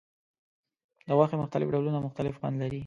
د غوښې مختلف ډولونه مختلف خوند لري.